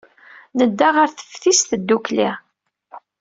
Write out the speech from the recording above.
Nedda ɣer teftist ddukkli.